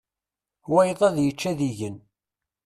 Wayeḍ ad yečč ad igen.